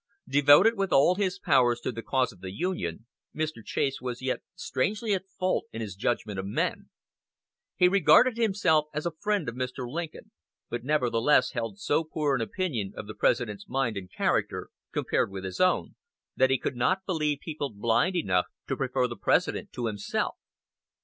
Devoted with all his powers to the cause of the Union, Mr. Chase was yet strangely at fault in his judgment of men. He regarded himself as the friend of Mr. Lincoln, but nevertheless held so poor an opinion of the President's mind and character, compared with his own, that he could not believe people blind enough to prefer the President to himself.